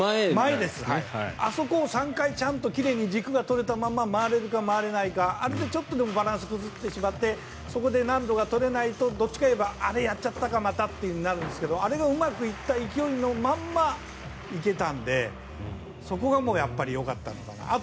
あそこを３回ちゃんと奇麗に軸が取れたまま回れるか回れないかあれでちょっとでもバランスが崩してしまって難度が取れるとどっちかといえばあれ、またやっちゃったかってなるんですけどあれがうまくいった勢いのままやれたのでよかったのかなと。